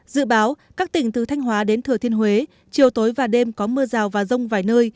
dự báo các tỉnh từ thanh hóa đến thừa thiên huế chiều tối và đêm có mưa rào và rông vài nơi